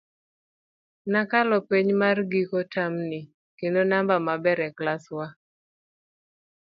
Nakalo penj mar gigo tam ni, kendo namba maber e klas wa.